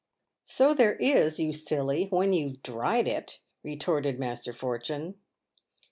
"So there is, you silly, when you've dried it," retorted Master Fortune.